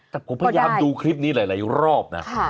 แต่ผมพยายามดูคลิปนี้หลายรอบนะ